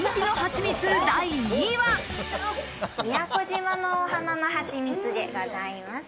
宮古島のお花の蜂蜜でございます。